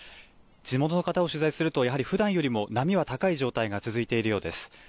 地元の方を取材すると、やはりふだんよりも波は高い状態が続いているようです。